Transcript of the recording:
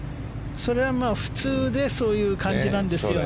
それは普通でそういう感じなんですよ